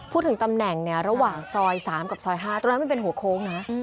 พูดถึงตำแหน่งเนี่ยระหว่างซอย๓กับซอย๕ตรงนั้นมันเป็นหัวโค้งนะ